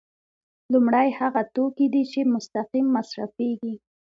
لومړی هغه توکي دي چې مستقیم مصرفیږي.